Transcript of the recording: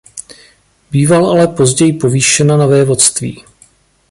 Bývala ale později povýšena na vévodství.